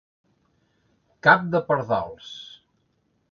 Cap de pardals.